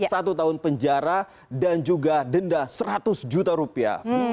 satu tahun penjara dan juga denda seratus juta rupiah